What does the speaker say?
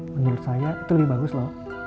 menurut saya itu lebih bagus loh